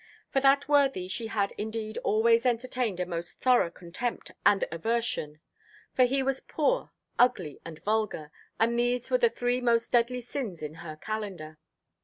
For that worthy she had indeed always entertained a most thorough contempt and aversion; for he was poor, ugly, and vulgar, and these were the three most deadly sins in her calendar.